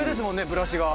ブラシが」